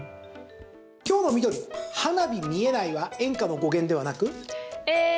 今日の緑、花火見えないは演歌の語源ではなく？